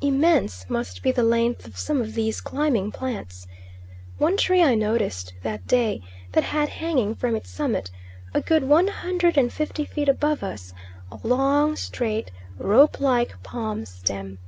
Immense must be the length of some of these climbing palms. One tree I noticed that day that had hanging from its summit, a good one hundred and fifty feet above us, a long straight ropelike palm stem.